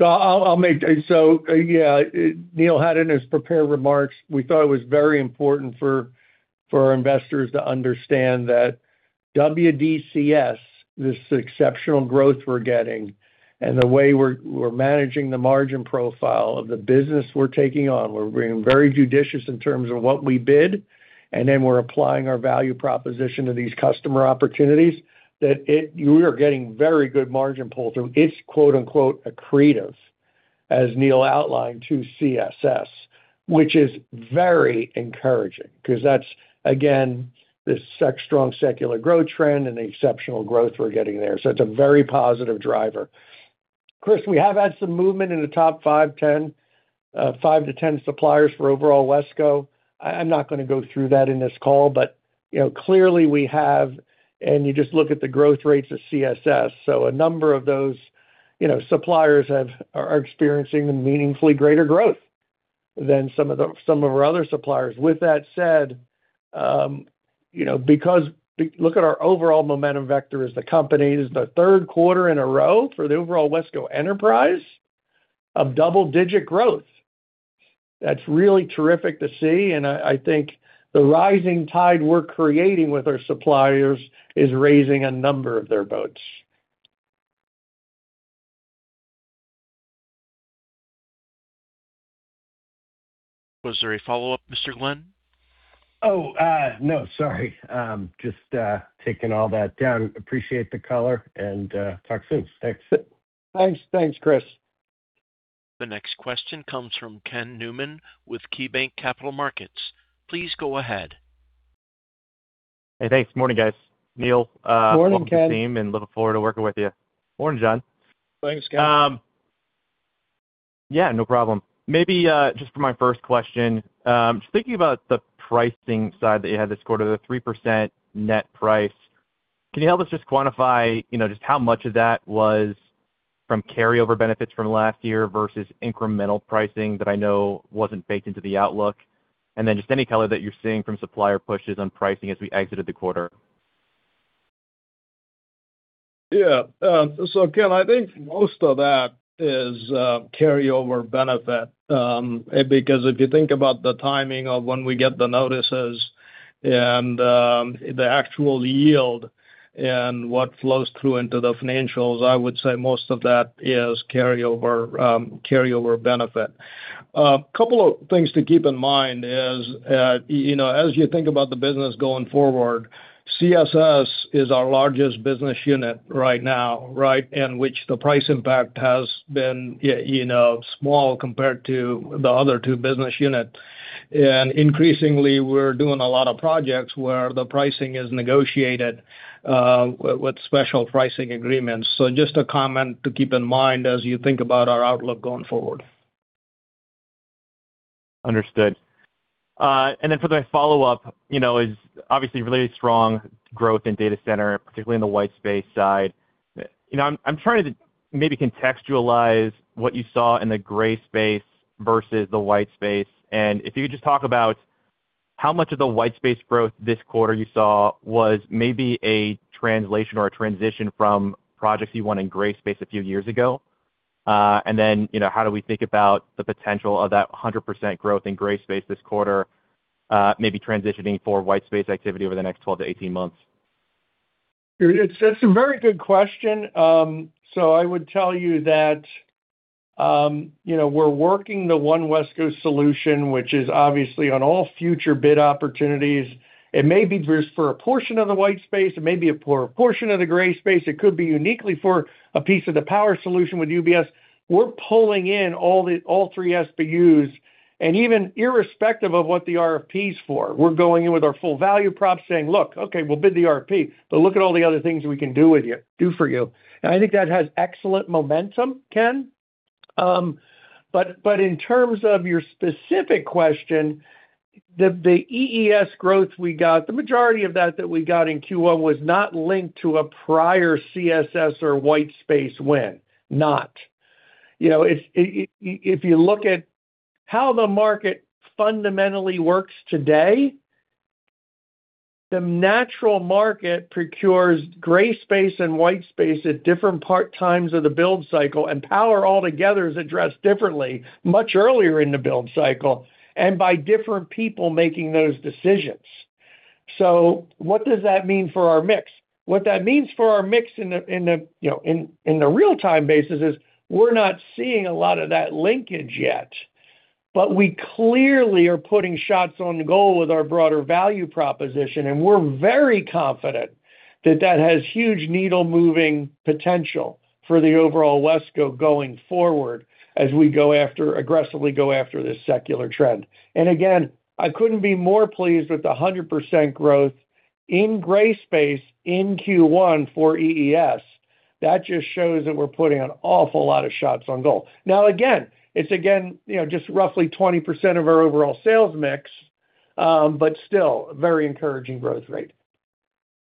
Yeah, Neil had in his prepared remarks, we thought it was very important for our investors to understand that WDCS, this exceptional growth we're getting and the way we're managing the margin profile of the business we're taking on, we're being very judicious in terms of what we bid, and then we're applying our value proposition to these customer opportunities, we are getting very good margin pull-through. It's quote-unquote accretive, as Neil outlined to CSS, which is very encouraging because that's, again, this strong secular growth trend and the exceptional growth we're getting there. It's a very positive driver. Chris, we have had some movement in the top five, 10, five to 10 suppliers for overall Wesco. I'm not gonna go through that in this call, you know, clearly we have. You just look at the growth rates of CSS. A number of those, you know, suppliers are experiencing meaningfully greater growth than some of the, some of our other suppliers. With that said, you know, because look at our overall momentum vector as the company. This is the third quarter in a row for the overall Wesco enterprise of double-digit growth. That's really terrific to see, and I think the rising tide we're creating with our suppliers is raising a number of their boats. Was there a follow-up, Mr. Glynn? No. Sorry. Just taking all that down. Appreciate the color and talk soon. Thanks. Thanks. Thanks, Chris. The next question comes from Ken Newman with KeyBanc Capital Markets. Please go ahead. Hey, thanks. Morning, guys. Indraneel. Morning, Ken. Welcome to the team and looking forward to working with you. Morning, John. Thanks, Ken. Yeah, no problem. Maybe, just for my first question, just thinking about the pricing side that you had this quarter, the 3% net price. Can you help us just quantify, you know, just how much of that was from carryover benefits from last year versus incremental pricing that I know wasn't baked into the outlook? Then just any color that you're seeing from supplier pushes on pricing as we exited the quarter. Ken, I think most of that is carryover benefit. Because if you think about the timing of when we get the notices and the actual yield and what flows through into the financials, I would say most of that is carryover carryover benefit. Couple of things to keep in mind is, you know, as you think about the business going forward, CSS is our largest business unit right now, right? Which the price impact has been, you know, small compared to the other two business unit. Increasingly, we're doing a lot of projects where the pricing is negotiated with special pricing agreements. Just a comment to keep in mind as you think about our outlook going forward. Understood. For the follow-up, you know, is obviously really strong growth in data center, particularly in the white space side. You know, I'm trying to maybe contextualize what you saw in the gray space versus the white space. If you could just talk about how much of the white space growth this quarter you saw was maybe a translation or a transition from projects you won in gray space a few years ago. You know, how do we think about the potential of that 100% growth in gray space this quarter, maybe transitioning for white space activity over the next 12-18 months. It's, it's a very good question. I would tell you that, you know, we're working the one Wesco solution, which is obviously on all future bid opportunities. It may be just for a portion of the white space, it may be a portion of the gray space. It could be uniquely for a piece of the power solution with UBS. We're pulling in all three SBUs, and even irrespective of what the RFP is for, we're going in with our full value prop saying, "Look, okay, we'll bid the RFP, but look at all the other things we can do with you, do for you." I think that has excellent momentum, Ken. In terms of your specific question, the EES growth we got, the majority of that we got in Q1 was not linked to a prior CSS or white space win. Not. You know, if you look at how the market fundamentally works today, the natural market procures gray space and white space at different part times of the build cycle, and power altogether is addressed differently, much earlier in the build cycle, and by different people making those decisions. What does that mean for our mix? What that means for our mix in the, in the, you know, in the real-time basis is we're not seeing a lot of that linkage yet, but we clearly are putting shots on goal with our broader value proposition, and we're very confident that that has huge needle-moving potential for the overall Wesco going forward as we aggressively go after this secular trend. Again, I couldn't be more pleased with the 100% growth in gray space in Q1 for EES. That just shows that we're putting an awful lot of shots on goal. Again, it's, you know, just roughly 20% of our overall sales mix, but still very encouraging growth rate.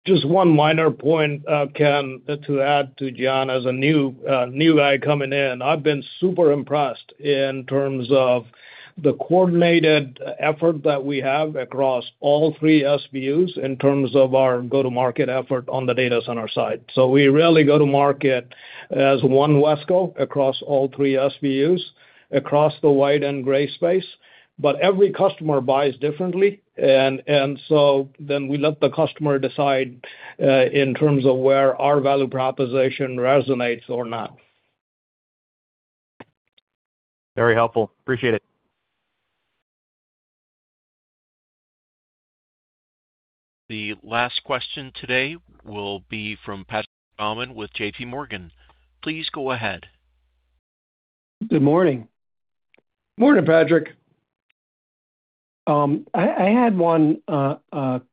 Just one minor point, Ken, to add to John. As a new guy coming in, I've been super impressed in terms of the coordinated effort that we have across all three SBUs in terms of our go-to-market effort on the data center side. We really go to market as one Wesco across all three SBUs, across the white and gray space, but every customer buys differently and we let the customer decide in terms of where our value proposition resonates or not. Very helpful. Appreciate it. The last question today will be from Patrick Baumann with JPMorgan. Please go ahead. Good morning. Morning, Patrick. I had one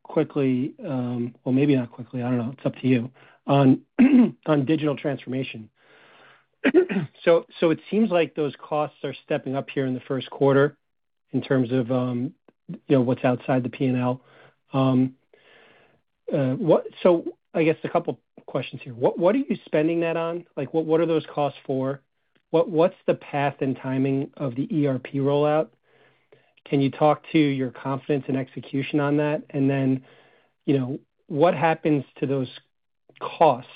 quickly. Maybe not quickly, I don't know, it's up to you. On digital transformation. It seems like those costs are stepping up here in the first quarter in terms of, you know, what's outside the P&L. I guess a couple questions here. What are you spending that on? Like, what are those costs for? What's the path and timing of the ERP rollout? Can you talk to your confidence and execution on that? You know, what happens to those costs,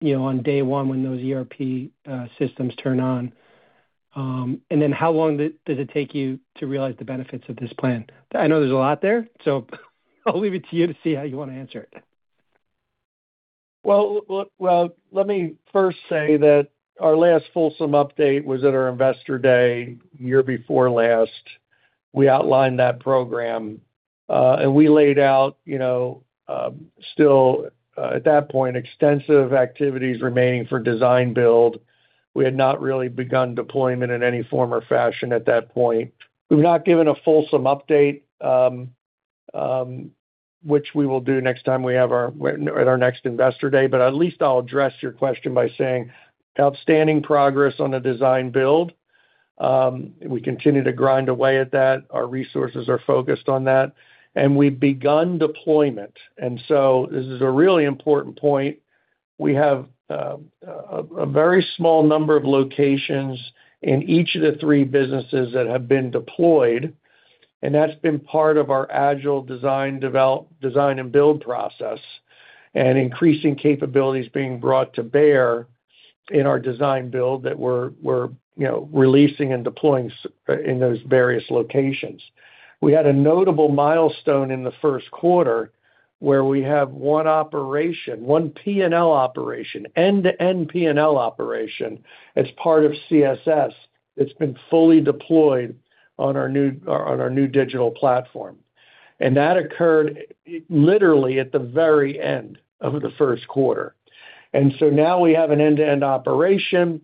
you know, on day one when those ERP systems turn on? How long does it take you to realize the benefits of this plan? I know there's a lot there, I'll leave it to you to see how you want to answer it. Well, well, well, let me first say that our last fulsome update was at our Investor Day year before last. We outlined that program, and we laid out, you know, still, at that point, extensive activities remaining for design build. We had not really begun deployment in any form or fashion at that point. We've not given a fulsome update, which we will do next time we have our next Investor Day. At least I'll address your question by saying outstanding progress on the design build. We continue to grind away at that. Our resources are focused on that. We've begun deployment. This is a really important point. We have a very small number of locations in each of the three businesses that have been deployed, and that's been part of our agile design and build process, and increasing capabilities being brought to bear in our design build that we're, you know, releasing and deploying in those various locations. We had a notable milestone in the first quarter where we have one operation, one P&L operation, end-to-end P&L operation as part of CSS that's been fully deployed on our new digital platform. That occurred literally at the very end of the first quarter. Now we have an end-to-end operation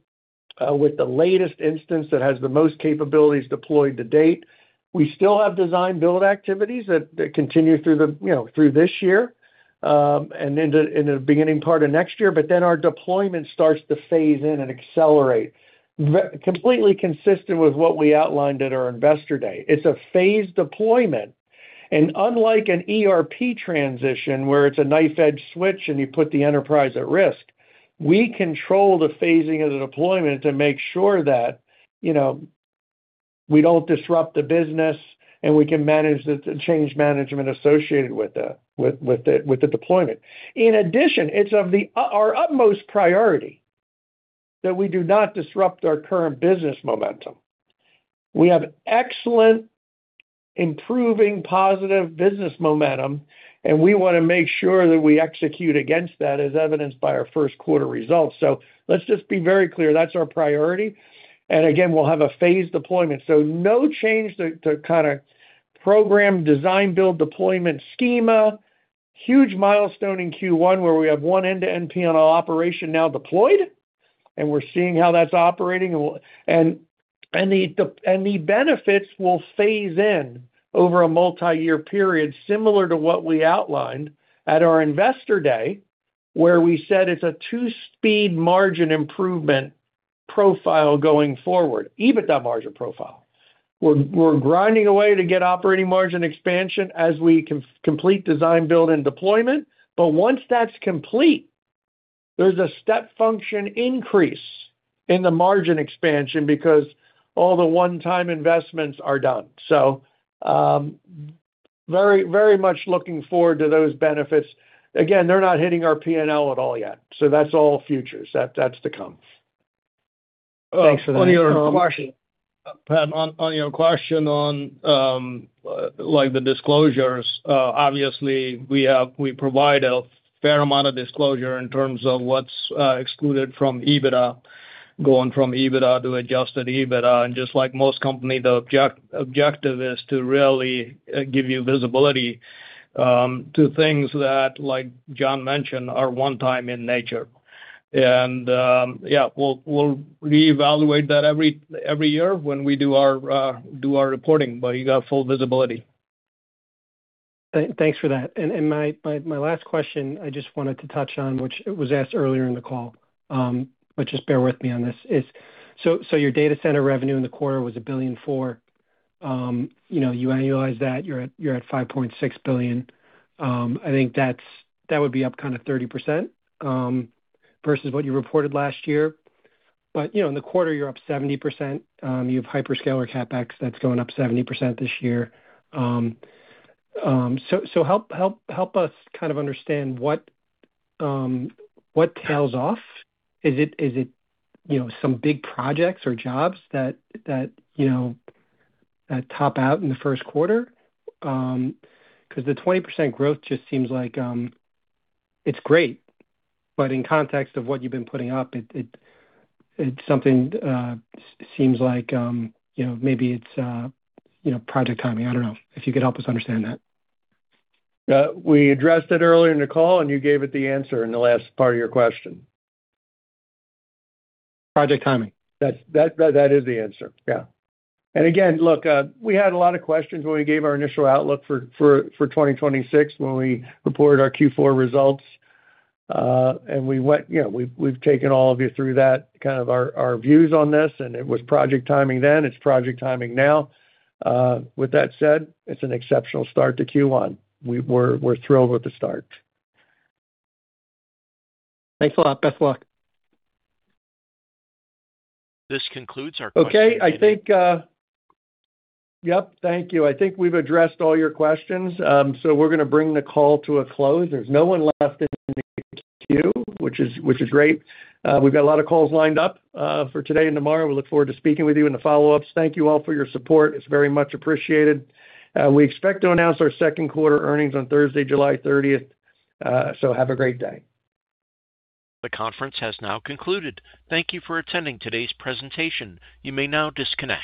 with the latest instance that has the most capabilities deployed to date. We still have design build activities that continue through the, you know, through this year, and into, in the beginning part of next year, but then our deployment starts to phase in and accelerate completely consistent with what we outlined at our Investor Day. It's a phased deployment. Unlike an ERP transition, where it's a knife-edge switch and you put the enterprise at risk, we control the phasing of the deployment to make sure that, you know, we don't disrupt the business and we can manage the change management associated with the deployment. In addition, it's of our utmost priority that we do not disrupt our current business momentum. We have excellent, improving positive business momentum, and we wanna make sure that we execute against that, as evidenced by our first quarter results. Let's just be very clear, that's our priority. Again, we'll have a phased deployment. No change to kind of program design build deployment schema. Huge milestone in Q1 where we have one end-to-end P&L operation now deployed, and we're seeing how that's operating. The benefits will phase in over a multi-year period, similar to what we outlined at our Investor Day, where we said it's a two-speed margin improvement profile going forward, EBITDA margin profile. We're grinding away to get operating margin expansion as we complete design build and deployment. Once that's complete, there's a step function increase in the margin expansion because all the one-time investments are done. Very much looking forward to those benefits. Again, they're not hitting our P&L at all yet, so that's all futures. That's to come. Thanks for that. On your question, Pat, on your question on, like the disclosures, obviously we provide a fair amount of disclosure in terms of what's excluded from EBITDA, going from EBITDA to adjusted EBITDA. Just like most company, the objective is to really give you visibility to things that, like John mentioned, are one time in nature. Yeah, we'll reevaluate that every year when we do our reporting, but you got full visibility. Thanks for that. My last question I just wanted to touch on, which it was asked earlier in the call, but just bear with me on this. Your data center revenue in the quarter was $1.4 billion. You know, you annualize that, you're at $5.6 billion. I think that's, that would be up kind of 30% versus what you reported last year. You know, in the quarter you're up 70%. You have hyperscaler CapEx that's going up 70% this year. Help us kind of understand what tails off. Is it, you know, some big projects or jobs that, you know, that top out in the first quarter? 'Cause the 20% growth just seems like. It's great, in context of what you've been putting up, it's something, seems like, you know, maybe it's, you know, project timing. I don't know. If you could help us understand that. We addressed it earlier in the call, and you gave it the answer in the last part of your question. Project timing. That's that is the answer. Again, look, we had a lot of questions when we gave our initial outlook for 2026 when we reported our Q4 results. We went, you know, we've taken all of you through that, kind of our views on this, and it was project timing then, it's project timing now. With that said, it's an exceptional start to Q1. We're thrilled with the start. Thanks a lot. Best of luck. This concludes our question and answer. Okay. Thank you. I think we've addressed all your questions. We're gonna bring the call to a close. There's no one left in the queue, which is great. We've got a lot of calls lined up for today and tomorrow. We look forward to speaking with you in the follow-ups. Thank you all for your support. It's very much appreciated. We expect to announce our second quarter earnings on Thursday, July 30th. Have a great day. The conference has now concluded. Thank you for attending today's presentation. You may now disconnect.